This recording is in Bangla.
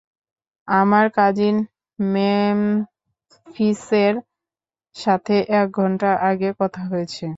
আমার কাজিন মেম্ফিসের সাথে এক ঘন্টা আগে কথা হয়েছে!